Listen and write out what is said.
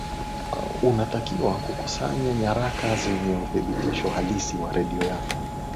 unatakiwa kukusanya nyaraka zenye uthibitisho halisi wa redio yako